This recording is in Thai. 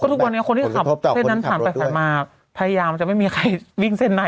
ทุกวันนี้คนที่ขับเส้นนั้นถังไปไขมักพยายามจะมีใครจะวิ่งเส้นในละ